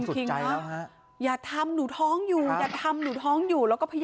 พี่หนูขอหนูท้องอยู่